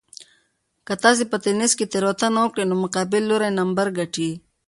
که تاسي په تېنس کې تېروتنه وکړئ نو مقابل لوری نمبر ګټي.